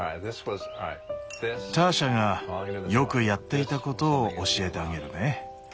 ターシャがよくやっていたことを教えてあげるね。